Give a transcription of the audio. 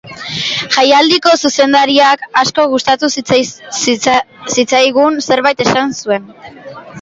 Jaialdiko zuzendariak asko gustatu zitzaigun zerbait esan zuen.